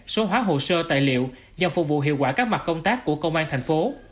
số hóa hồ sơ tài liệu nhằm phục vụ hiệu quả các mặt công tác của công an tp